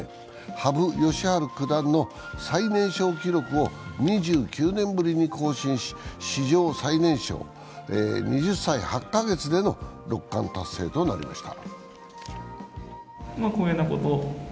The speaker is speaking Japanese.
羽生善治九段の最年少記録を、２９年ぶりに更新し史上最年少２０歳８か月での六冠達成となりました。